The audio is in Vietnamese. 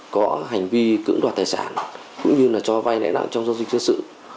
có hành vi cưỡng đoạt tài sản cũng như là cho vai nợ trong doanh dịch chức sự